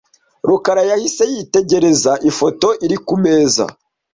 rukara yahise yitegereza ifoto iri kumeza .